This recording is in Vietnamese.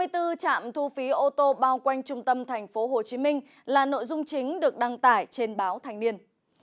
hai mươi bốn trạm thu phí ô tô bao quanh trung tâm tp hcm là nội dung chính được đăng tải trên báo thành niên